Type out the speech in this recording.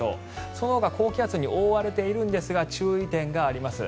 そのほか高気圧に覆われているんですが注意点があります。